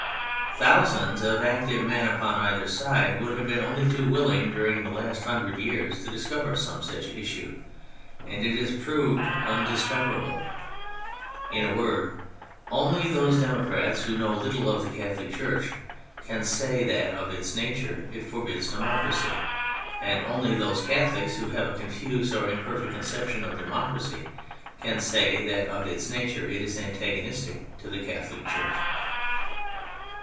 Thousands of active men upon either side would have been only too willing during the last hundred years to discover some such issue, and it has proved undiscoverable. In a word, only those Democrats who know little of the Catholic Church can say that of its nature it forbids democracy; and only those Catholics who have a confused or imperfect conception of democracy can say that of its nature it is antagonistic to the Catholic Church.